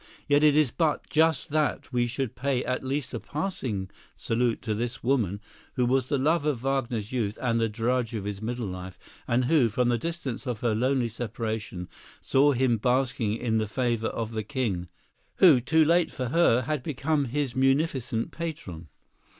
Yet it is but just that we should pay at least a passing salute to this woman who was the love of Wagner's youth and the drudge of his middle life, and who, from the distance of her lonely separation, saw him basking in the favor of the king, who, too late for her, had become his munificent patron.